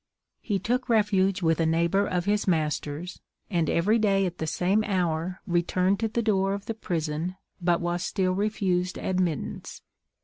He took refuge with a neighbour of his master's, and every day at the same hour returned to the door of the prison, but was still refused admittance.